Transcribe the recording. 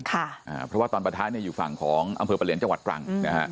เพราะว่าตอนบรรทัศน์เนี่ยอยู่ฝั่งของอำเภอประเลียนจังหวัดปรัง